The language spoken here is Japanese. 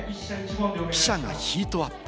記者がヒートアップ。